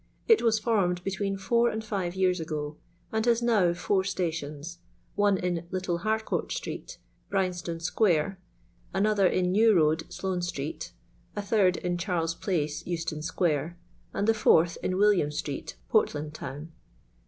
It was formed between four and five years ago, and has now four stations : one in Little Harcourt street, Bryanstone square ; an other in New road, Sloane street ; a third in Charles place, Euston square ; and the fourth in William street, Portland town.